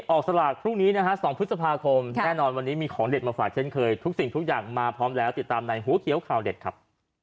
ออกสลากพรุ่งนี้นะฮะ๒พฤษภาคมแน่นอนวันนี้มีของเด็ดมาฝากเช่นเคยทุกสิ่งทุกอย่างมาพร้อมแล้วติดตามในหัวเขียวข่าวเด็ดครับ